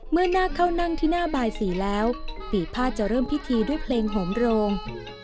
หน้าเข้านั่งที่หน้าบาย๔แล้วปีภาษจะเริ่มพิธีด้วยเพลงโหมโรง